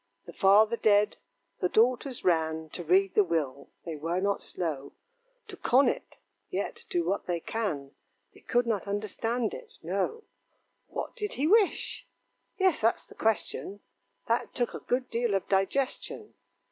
The father dead, the daughters ran To read the will they were not slow To con it; yet, do what they can, They could not understand it no. What did he wish? yes, that's the question That took a good deal of digestion.